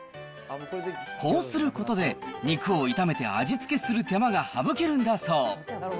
こうすることで肉を炒めて味付けする手間が省けるんだそう。